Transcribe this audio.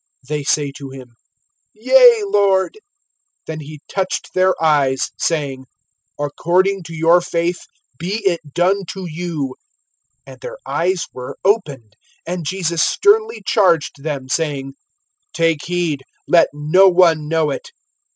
They say to him: Yea, Lord. (29)Then he touched their eyes, saying: According to your faith be it done to you. (30)And their eyes were opened. And Jesus sternly charged them, saying: Take heed, let no one know it.